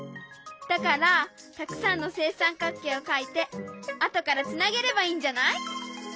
だからたくさんの正三角形を描いて後からつなげればいいんじゃない？